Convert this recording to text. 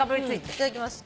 いただきます。